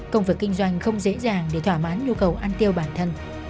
công việc kinh doanh không dễ dàng để thỏa mãn nhu cầu ăn tiêu bản thân